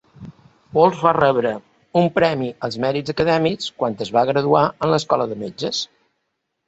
Wolf va rebre un premi als mèrits acadèmics quan es va graduar en l'escola de metges.